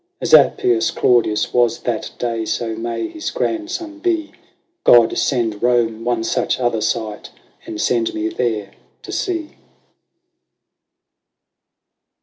As Appius Claudius was that day, so may his grandson be ! God send Rome one such other sight, and send me there to see